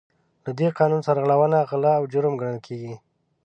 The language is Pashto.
له دې قانون سرغړونه غلا او جرم ګڼل کیږي.